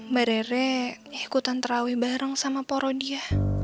mbak rere ikutan terawih bareng sama poro dia